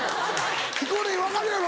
ヒコロヒー分かるやろ？